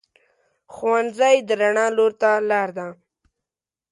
ښوونځی د رڼا لور ته لار ده